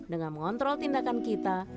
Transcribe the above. dengan mengontrol tindakan kita